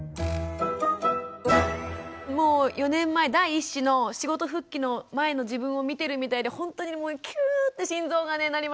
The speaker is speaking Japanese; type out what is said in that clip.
もう４年前第一子の仕事復帰の前の自分を見てるみたいでほんとにもうキューって心臓がねなりましたよ。